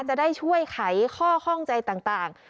จะได้ช่วยไขข้อข้องใจต่าง